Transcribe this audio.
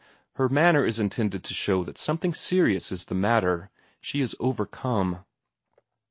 Her manner is intended to show that something serious is the matter; she is overcome.